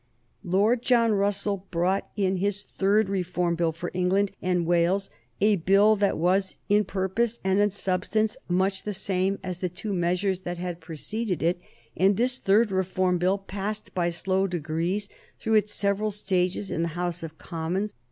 Lord John Russell brought in his third Reform Bill for England and Wales, a Bill that was, in purpose and in substance, much the same as the two measures that had preceded it, and this third Reform Bill passed by slow degrees through its several stages in the House of Commons.